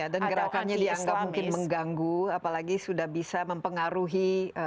dan gerakannya dianggap mungkin mengganggu apalagi sudah bisa mempengaruhi